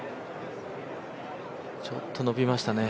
ちょっと伸びましたね。